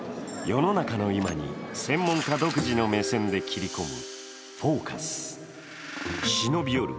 世の中の今に専門家独自の目線で切り込む「ＦＯＣＵＳ」。